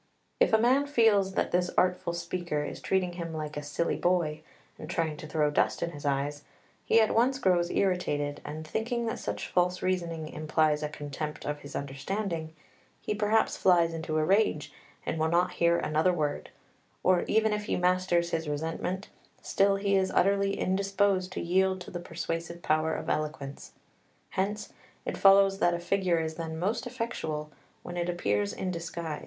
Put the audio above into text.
If a man feels that this artful speaker is treating him like a silly boy and trying to throw dust in his eyes, he at once grows irritated, and thinking that such false reasoning implies a contempt of his understanding, he perhaps flies into a rage and will not hear another word; or even if he masters his resentment, still he is utterly indisposed to yield to the persuasive power of eloquence. Hence it follows that a figure is then most effectual when it appears in disguise.